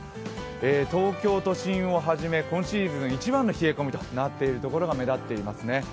東京都心をはじめ今シーズン一番の冷え込みとなっているところが目立っていますね。